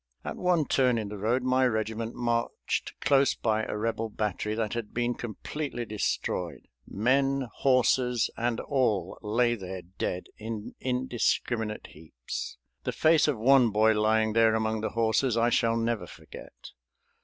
At one turn in the road my regiment marched close by a Rebel battery that had been completely destroyed. Men, horses, and all lay there dead in indiscriminate heaps. The face of one boy lying there among the horses I shall never forget.